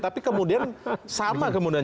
tapi kemudian sama kemudian